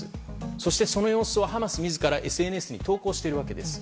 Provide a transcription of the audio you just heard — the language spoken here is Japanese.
そして、その様子をハマス自らＳＮＳに投稿しているわけです。